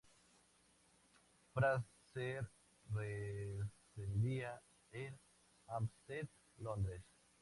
Fraser residía en Hampstead, Londres.